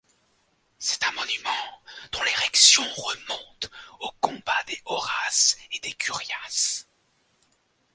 C'est un monument dont l'érection remonte au combat des Horaces et des Curiaces.